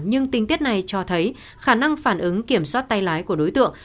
nhưng tình tiết này cho thấy khả năng phản ứng kiểm soát tay lái của đối tượng